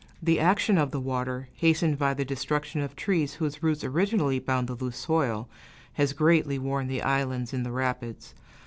The action of the water, hastened by the destruction of trees whose roots originally bound the loose soil, has greatly worn the islands in the rapids.